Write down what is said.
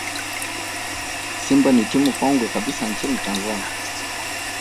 simba ni timu kongwe kabisa nchini tanzania